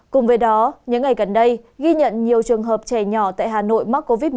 cùng với đó những ngày gần đây ghi nhận nhiều trường hợp trẻ nhỏ tại hà nội mắc covid một mươi chín